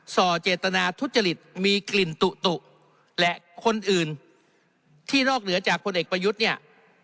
ส่อเจตนาทุจริตมีกลิ่นตุและคนอื่นที่นอกเหนือจากพลเอกประยุทธ์เนี่ย